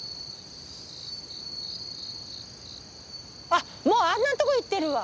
あっもうあんなとこいってるわ！